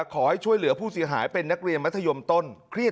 ขอให้ช่วยเหลือผู้เสียหายเป็นนักเรียน